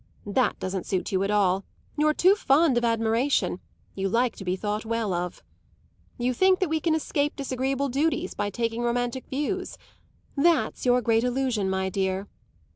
That doesn't suit you at all you're too fond of admiration, you like to be thought well of. You think we can escape disagreeable duties by taking romantic views that's your great illusion, my dear.